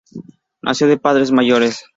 Nació de padres mayores.